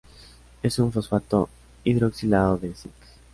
Es un fosfato hidroxilado de cinc.